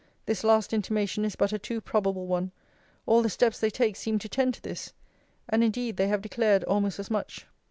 This last intimation is but a too probable one. All the steps they take seem to tend to this! And, indeed, they have declared almost as much.